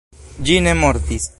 Ĝi ne mortis.